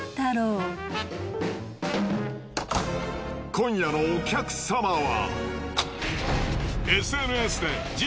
今夜のお客様は。